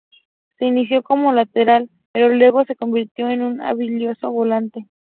Se inició como lateral, pero luego se convirtió en un habilidoso volante.